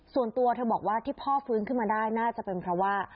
ส่วนตัวเธอบอกว่าที่พ่อฟื้นขึ้นมาได้น่าจะเป็นเพราะว่า